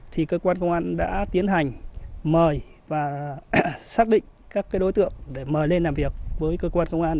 thì cơ quan công an đã tiến hành mời và xác định các đối tượng để mời lên làm việc với cơ quan công an